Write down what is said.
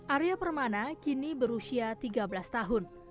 arya permana kini berusia tiga belas tahun